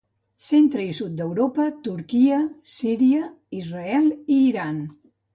Centre i sud d'Europa, Turquia, Síria, Israel i Iran.